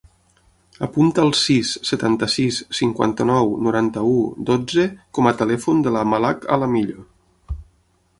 Apunta el sis, setanta-sis, cinquanta-nou, noranta-u, dotze com a telèfon de la Malak Alamillo.